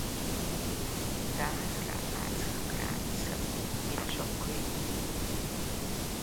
Даара аҵх кранца ицәақәеит.